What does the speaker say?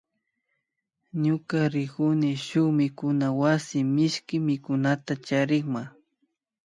Ñuka rikuni shuk mikunawasi mishki mikunata charikma